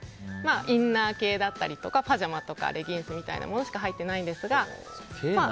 インナー系だったりパジャマとかレギンスみたいなものしか入ってないんですが。